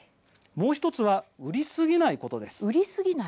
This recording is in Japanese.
もう１つは売りすぎないことです。